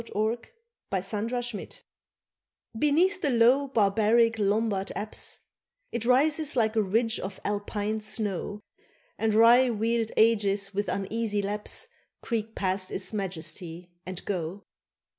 AUGUSTINE AT PAVIA BENEATH the low barbaric Lombard apse It rises like a ridge of Alpine snow, And wry wheeled ages with uneasy lapse Creak past its majesty, and go.